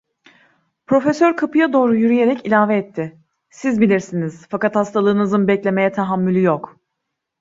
Profesör kapıya doğru yürüyerek ilave etti: Siz bilirsiniz, fakat hastalığınızın beklemeye tahammülü yok.